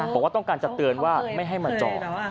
บอกว่าต้องการจะเตือนว่าไม่ให้มาจอด